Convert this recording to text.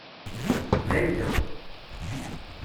D ayla-w.